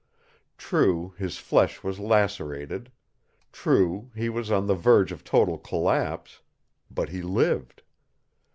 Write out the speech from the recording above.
True, his flesh was lacerated. True, he was on the verge of total collapse. But he lived.